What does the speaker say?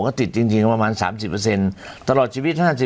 ก็ติดจริงจริงประมาณสามสิบเปอร์เซ็นต์ตลอดชีวิตห้าสิบปี